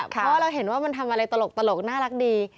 เพราะเราเห็นว่ามันทำอะไรตลกน่ารักดี